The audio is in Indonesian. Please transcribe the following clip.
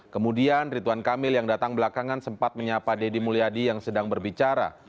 kemudian ridwan kamil yang datang belakangan sempat menyapa deddy mulyadi yang sedang berbicara